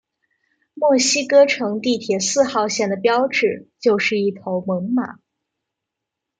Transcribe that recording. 墨西哥城地铁四号线的标志就是一头猛犸。